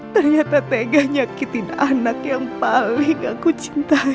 ternyata tega nyakitin anak yang paling aku cintai